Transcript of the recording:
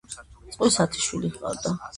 წყვილს ათი შვილი ჰყავდა.